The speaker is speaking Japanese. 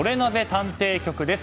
探偵局です。